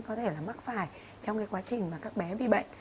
có thể là mắc phải trong cái quá trình mà các bé bị bệnh